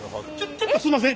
ちょっとすんません。